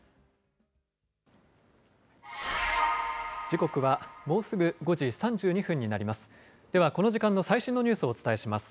時刻はもうすぐ５時３２分になります。